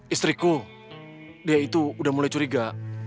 istriku dia itu udah mulai curiga